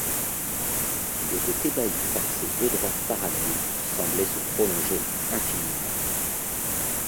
Il était ébahi par ces deux droites parallèles qui semblaient se prolonger infiniment.